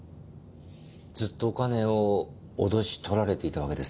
ずっとお金を脅し取られていたわけですね？